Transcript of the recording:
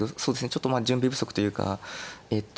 ちょっとまあ準備不足というかえっと